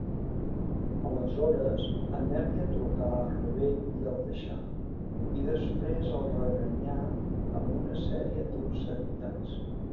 Aleshores, Amelia truca a Rubén i el deixa, i després el reganya amb una sèrie d'obscenitats.